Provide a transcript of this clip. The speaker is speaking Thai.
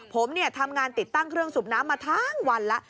ผมทำงานติดตั้งเครื่องสูบน้ำมาทั้งวันแล้ว